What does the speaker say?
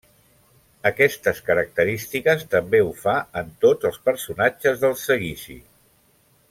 Aquestes característiques també ho fa en tots els personatges del Seguici.